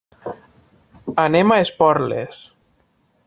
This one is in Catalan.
Anem a Esporles.